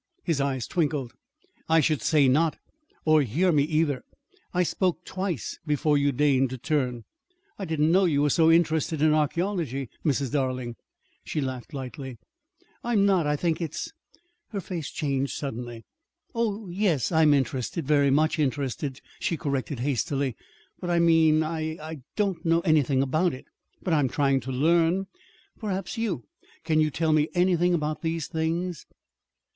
His eyes twinkled. "I should say not or hear me, either. I spoke twice before you deigned to turn. I did not know you were so interested in archæology, Mrs. Darling." She laughed lightly. "I'm not. I think it's " Her face changed suddenly. "Oh, yes, I'm interested very much interested," she corrected hastily. "But I mean I I don't know anything about it. But I I'm trying to learn. Perhaps you Can you tell me anything about these things?"